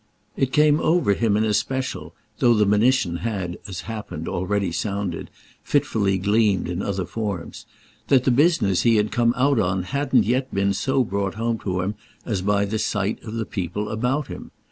It came over him in especial—though the monition had, as happened, already sounded, fitfully gleamed, in other forms—that the business he had come out on hadn't yet been so brought home to him as by the sight of the people about him.